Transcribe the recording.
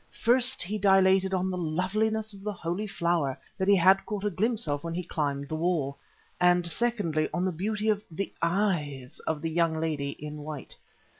First he dilated on the loveliness of the Holy Flower that he had caught a glimpse of when he climbed the wall, and secondly, on the beauty of the eyes of the young lady in white.